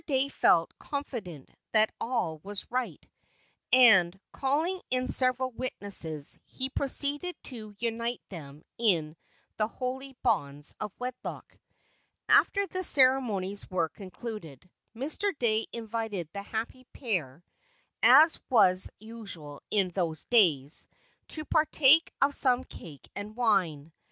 Dey felt confident that all was right, and, calling in several witnesses, he proceeded to unite them in the holy bonds of wedlock. After the ceremonies were concluded, Mr. Dey invited the happy pair (as was usual in those days) to partake of some cake and wine.